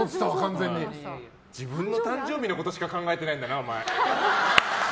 自分の誕生日のことしか考えてないんだな、お前。